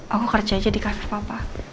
aku kerja aja di kantor papa